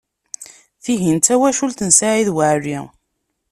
Tihin d tawacult n Saɛid Waɛli.